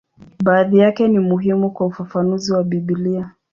Baadhi yake ni muhimu kwa ufafanuzi wa Biblia.